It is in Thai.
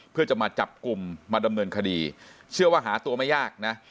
เพื่อจะมาจับกลุ่มมาดำเนินคดีเชื่อว่าหาตัวไม่ยากนะ